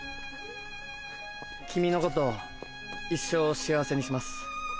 君のこと一生幸せにします。